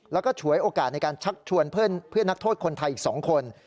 แล้วก็ฉวยโอกาสในการชักชวนเพื่อนนักโทษคนไทยอีก๒คน